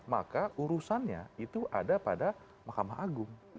maka urusannya itu ada pada mahkamah agung